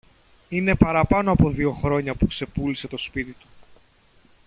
Είναι παραπάνω από δυο χρόνια που ξεπούλησε το σπίτι του